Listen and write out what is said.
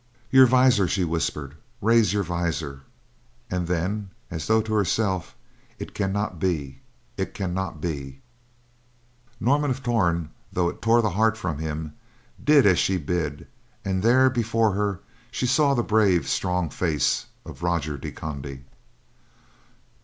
"Your visor," she whispered, "raise your visor." And then, as though to herself: "It cannot be; it cannot be." Norman of Torn, though it tore the heart from him, did as she bid, and there before her she saw the brave strong face of Roger de Conde.